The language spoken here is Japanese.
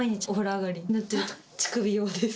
乳首用です。